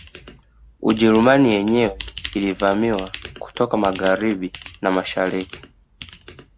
Ujerumani yenyewe ilivamiwa kutoka Magharibi na mashariki